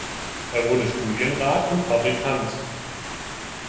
Er wurde Studienrat und Fabrikant.